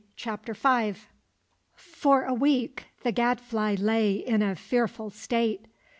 CHAPTER V. FOR a week the Gadfly lay in a fearful state.